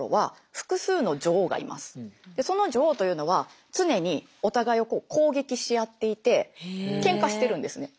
その女王というのは常にお互いを攻撃し合っていてケンカしてるんですね。